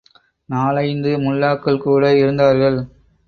நாலைந்து முல்லாக்கள் கூட இருந்தார்கள்.